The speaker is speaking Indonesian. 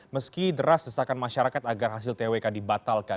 meski deras desakan masyarakat agar hasil twk dibatalkan